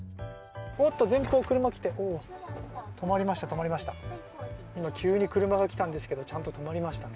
前方、車が来て止まりました、止まりました。